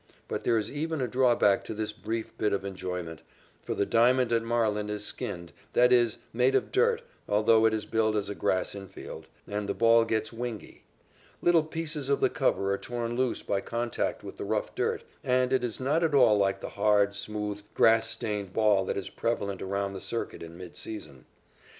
But there is even a drawback to this brief bit of enjoyment, for the diamond at Marlin is skinned that is, made of dirt, although it is billed as a grass infield, and the ball gets "wingy." Little pieces of the cover are torn loose by contact with the rough dirt, and it is not at all like the hard, smooth, grass stained ball that is prevalent around the circuit in mid season.